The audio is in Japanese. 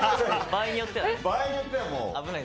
場合によってはね。